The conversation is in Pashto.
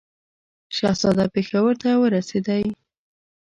شهزاده پېښور ته ورسېدی.